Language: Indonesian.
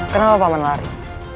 kenapa paman lari